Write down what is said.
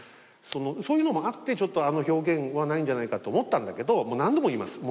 そういうのもあってちょっとあの表現はないんじゃないかと思ったんだけどもう何度も言います。